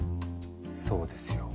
そうですよ。